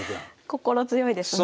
心強いですね。